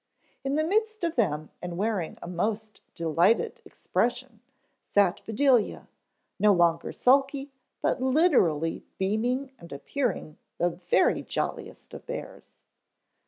In the midst of them and wearing a most delighted expression sat Bedelia, no longer sulky but literally beaming and appearing the very jolliest of bears.